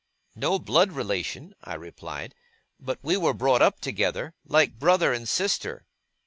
'No blood relation,' I replied; 'but we were brought up together, like brother and sister.